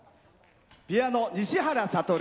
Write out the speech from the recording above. ピアノ、西原悟。